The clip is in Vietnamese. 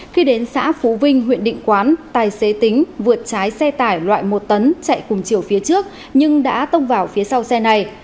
khi đến xã phú vinh huyện định quán tài xế tính vượt trái xe tải loại một tấn chạy cùng chiều phía trước nhưng đã tông vào phía sau xe này